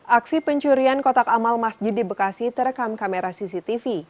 aksi pencurian kotak amal masjid di bekasi terekam kamera cctv